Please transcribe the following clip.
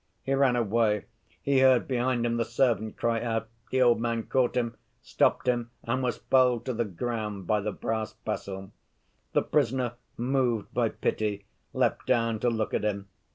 He ran away; he heard behind him the servant cry out; the old man caught him, stopped him and was felled to the ground by the brass pestle. "The prisoner, moved by pity, leapt down to look at him.